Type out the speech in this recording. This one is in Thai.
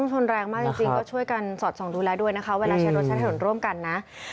ชนแรงมากจริงก็ช่วยกันสอดส่องดูแลด้วยนะคะเวลาใช้รถใช้ถนนร่วมกันนะ